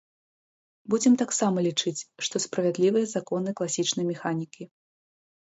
Будзем таксама лічыць, што справядлівыя законы класічнай механікі.